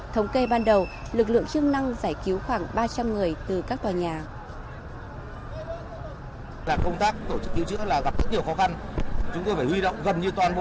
thống kê ban đầu lực lượng chức năng giải cứu khoảng ba trăm linh người từ các tòa nhà